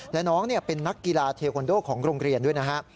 และน้องเป็นนักกีฬาเทคอนโดของโรงเรียนด้วยนะฮะ